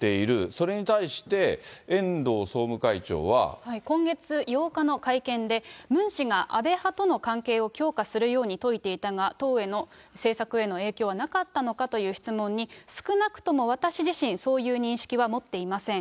それに対して、今月８日の会見で、ムン氏が安倍派との関係を強化するように説いていたが、党への政策への影響はなかったのかという質問に、少なくとも私自身、そういう認識は持っていません。